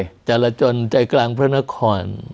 ก็จะละจนใจกลางพระนคร